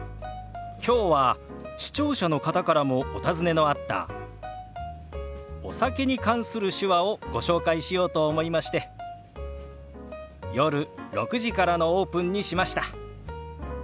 きょうは視聴者の方からもお尋ねのあったお酒に関する手話をご紹介しようと思いまして夜６時からのオープンにしました。